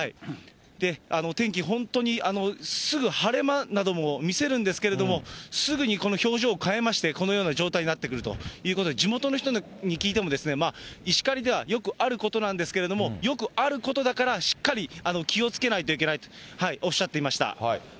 天気、本当にすぐ晴れ間なども見せるんですけれども、すぐにこの表情を変えまして、このような状態になってくるということで、地元の人に聞いても、石狩ではよくあることなんですけれども、よくあることだから、しっかり気をつけないといけないとおっしゃっていました。